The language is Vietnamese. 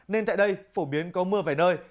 nên tại đây phổ biến có mưa vài nơi